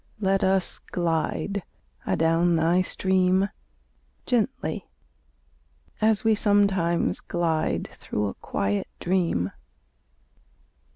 Let us glide adown thy stream Gently as we sometimes glide Through a quiet dream!